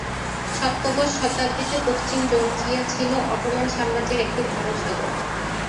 সপ্তদশ শতাব্দীতে পশ্চিম জর্জিয়া ছিল অটোমান সাম্রাজ্যের একটি ভরসাগর।